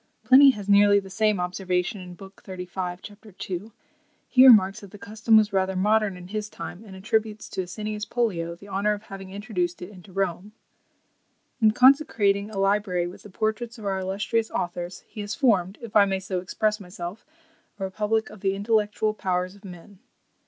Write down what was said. Pliny has nearly the same observation, lib. xxxv. cap. 2. He remarks, that the custom was rather modern in his time; and attributes to Asinius Pollio the honour of having introduced it into Rome. "In consecrating a library with the portraits of our illustrious authors, he has formed, if I may so express myself, a republic of the intellectual powers of men."